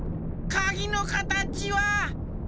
かぎのかたちは。